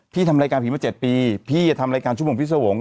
พี่ทำรายการผีมา๗ปีพี่ทำรายการชุมของพี่สวง